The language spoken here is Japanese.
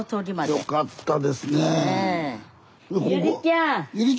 よかったですね。